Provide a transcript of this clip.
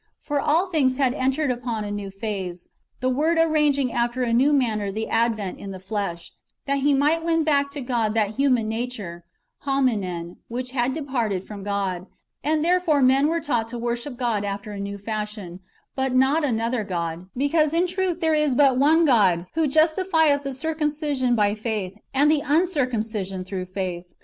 For all things had entered upon a new phase, the Word arranging after a new manner the advent in the flesh, that He might win back^ to God that liuman nature (homiiiem) which had departed from God ; and therefore men were taught to worship God after a new fashion, but not another God, because in truth there is but " one God, who justifieth the circumcision by faith, and the uncircumcision through faith."